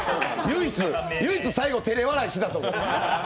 唯一、最後照れ笑いしてたとこ。